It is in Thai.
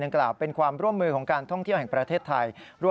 ถึงต้องการเป็นครอบร่วมมืออยู่ในประเทศไทย